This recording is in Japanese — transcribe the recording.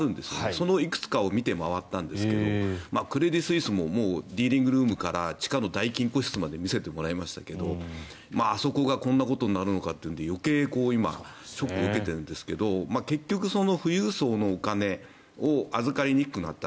そのいくつかを見て回ったんですがクレディ・スイスもディーリングルームから地下の大金庫室まで見せてもらいましたけどあそこがこんなことになるのかっていうので余計に今、ショックを受けているんですが結局、富裕層のお金を預かりにくくなった。